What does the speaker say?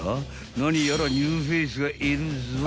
何やらニューフェイスがいるぞい］